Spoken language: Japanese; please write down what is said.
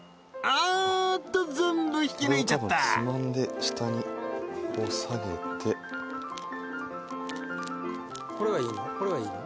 あーっと全部引き抜いちゃったつまんで下に下げてこれはいいの？